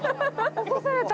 起こされました。